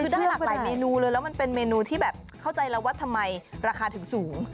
คือได้หลากหลายเมนูเลยแล้วมันเป็นเมนูที่แบบเข้าใจแล้วว่าทำไมราคาถึงสูง